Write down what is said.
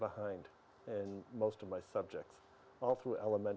sekitar dua dan sepuluh dan empat